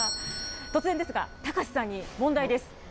突然ですが、高瀬さんに問題です。